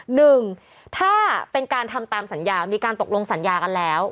หนึ่งถ้าเป็นการทำตามสัญญามีการตกลงสัญญากันแล้ว